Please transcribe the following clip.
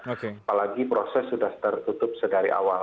apalagi proses sudah tertutup sedari awal